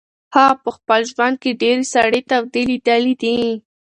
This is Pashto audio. هغه په خپل ژوند کې ډېرې سړې تودې لیدلې دي.